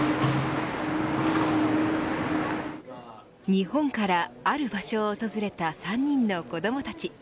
日本からある場所を訪れた３人の子どもたち。